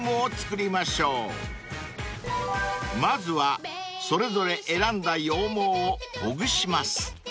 ［まずはそれぞれ選んだ羊毛をほぐします］